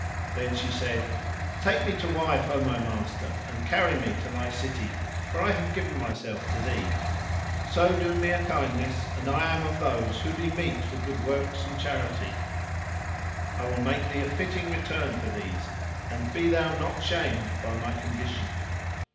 Then she said, "Take me to wife, O my master, and carry me to thy city, for I have given myself to thee; so do me a kindness and I am of those who be meet for good works and charity: I will make thee a fitting return for these and be thou not shamed by my condition."